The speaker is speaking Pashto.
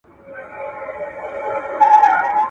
چي پر ځان مو راوستلې تباهي ده !.